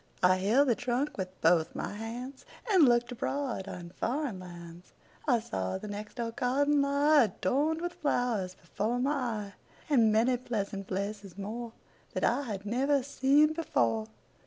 I held the trunk with both my handsAnd looked abroad on foreign lands.I saw the next door garden lie, Adorned with flowers, before my eye, And many pleasant places moreThat I had never seen before.